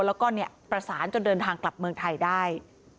แล้วก็ประสานจนเดินทางกลับเมืองไทยได้